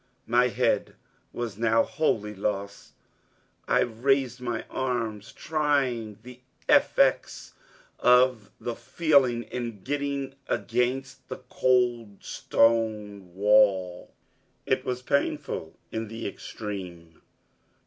My head was now wholly lost. I raised my arms, trying the effects of the feeling in getting against the cold stone wall. It was painful in the extreme.